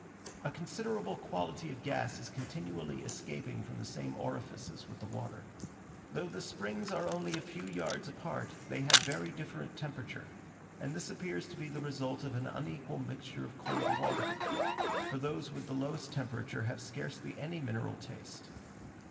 A considerable quantity of gas is continually escaping from the same orifices with the water. Though the springs are only a few yards apart, they have very different temperature; and this appears to be the result of an unequal mixture of cold water: for those with the lowest temperature have scarcely any mineral taste.